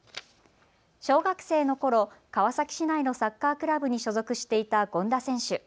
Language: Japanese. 小学生のころ、川崎市内のサッカークラブに所属していた権田選手。